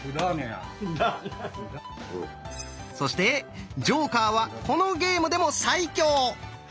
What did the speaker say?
そしてジョーカーはこのゲームでも最強。